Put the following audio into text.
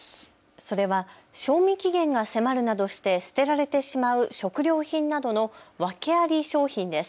それは賞味期限が迫るなどして捨てられてしまう食料品などの訳あり商品です。